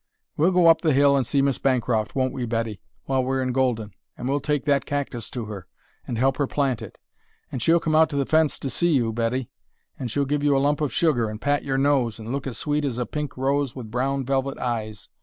We'll go up the hill and see Miss Bancroft, won't we, Betty, while we're in Golden; and we'll take that cactus to her, and help her plant it. And she'll come out to the fence to see you, Betty; and she'll give you a lump of sugar, and pat your nose, and look as sweet as a pink rose with brown velvet eyes.